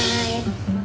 mereka masih siap